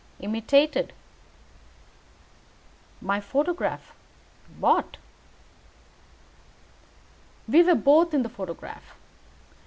"Imitated." "My photograph." "Bought." "We were both in the photograph."